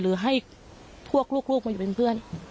หรือให้พวกลูกมาอยู่เป็นเพื่อน